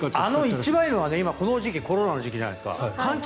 一番いいのはこの時期コロナの時期じゃないですか。